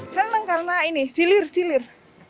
senang karena ini silir silir